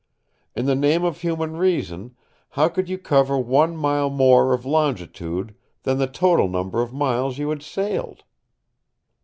In the name of human reason, how could you cover one mile more of longitude than the total number of miles you had sailed?